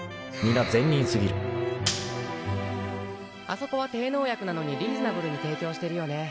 あそこは低農薬なのにリーズナブルに提供してるよね。